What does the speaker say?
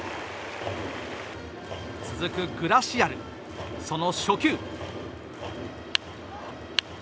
続くグラシアル、その初球。